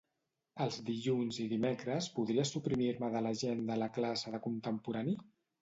Els dilluns i dimecres podries suprimir-me de l'agenda la classe de contemporani?